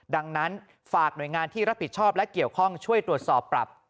ดังนั้นฝากหน่วยงานที่รับผิดชอบและเกี่ยวข้องช่วยตรวจสอบปรับ